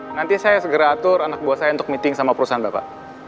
nanti saya segera atur anak buah saya untuk meeting sama perusahaan bapak